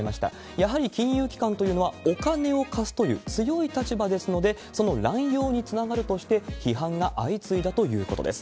やはり金融機関というのはお金を貸すという、強い立場ですので、その乱用につながるとして、批判が相次いだということです。